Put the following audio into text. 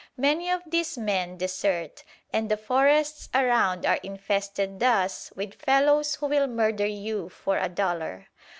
Many of these men desert, and the forests around are infested thus with fellows who will murder you for a dollar.